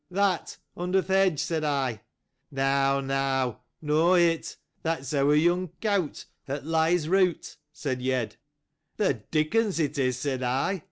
That under th' hedge, said I. No, no: Not it. That's our young colt, that lies out, said Yed. The Dickens it is, said I.